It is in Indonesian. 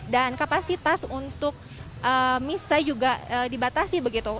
dan kapasitas untuk misa juga dibatasi begitu